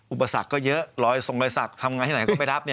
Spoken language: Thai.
อุปสรรคก็เยอะรอยทรงรอยสักทำงานที่ไหนก็ไม่รับ